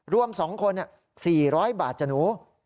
รวม๒คน๔๐๐บาทจ้ะหนู